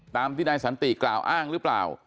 ตามที่นายสันติกล่าวอ้างหรือเปล่า